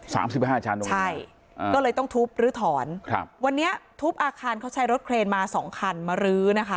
สามสิบห้าชานมใช่อ่าก็เลยต้องทุบลื้อถอนครับวันนี้ทุบอาคารเขาใช้รถเครนมาสองคันมารื้อนะคะ